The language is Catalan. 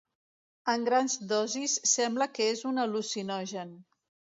En grans dosis sembla que és un al·lucinogen.